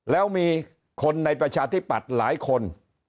แล้วมีคนในประชาธิปัตย์หลายคน